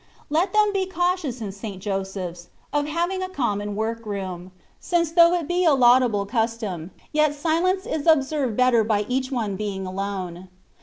Let them be cautious in St. Joseph's, of having a common work room; since though it be a laudable custom, yet silence is observed better by each one being alone.